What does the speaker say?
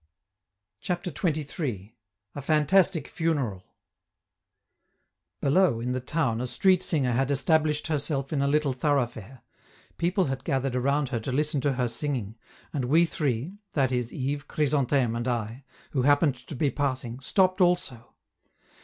CHAPTER XXIII. A FANTASTIC FUNERAL Below, in the town, a street singer had established herself in a little thoroughfare; people had gathered around her to listen to her singing, and we three that is, Yves, Chrysantheme, and I who happened to be passing, stopped also.